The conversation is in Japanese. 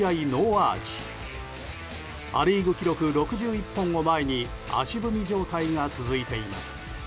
ア・リーグ記録６１本を前に足踏み状態が続いています。